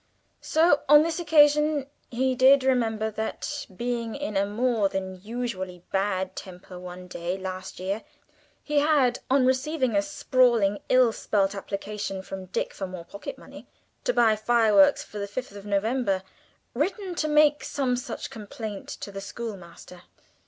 So, on this occasion, he did remember that, being in a more than usually bad temper one day last year, he had, on receiving a sprawling, ill spelt application from Dick for more pocket money, to buy fireworks for the 5th of November, written to make some such complaint to the schoolmaster.